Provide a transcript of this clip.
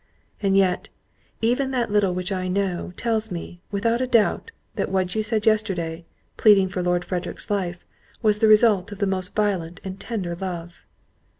And yet, even that little which I know, tells me, without a doubt, that what you said yesterday, pleading for Lord Frederick's life, was the result of the most violent and tender love."